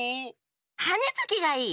はねつきがいい！